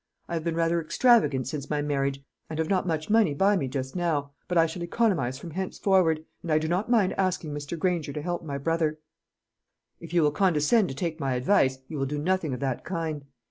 I have been rather extravagant since my marriage, and have not much money by me just now, but I shall economise from henceforward; and I do not mind asking Mr. Granger to help my brother." "If you will condescend to take my advice, you will do nothing of that kind.